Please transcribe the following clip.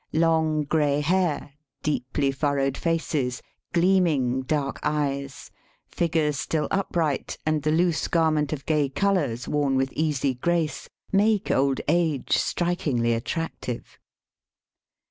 Long grey hair, deeply furrowed faces, gleaming dark eyes, figures still upright, and the loose garment of gay colours worn with easy grace, make old age strikingly attractive.